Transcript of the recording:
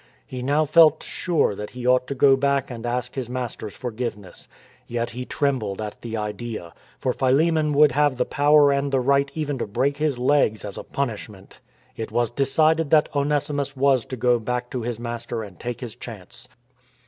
He now felt sure that he ought to go back and ask his master's forgiveness; yet he trembled at the idea, for Philemon would have the power and the right even to break his legs as a punish ment. It was decided that Onesimus was to go back to his master and take his chance.